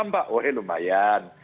enam pak oh ya lumayan